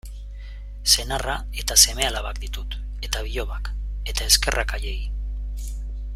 Senarra eta seme-alabak ditut, eta bilobak, eta eskerrak haiei.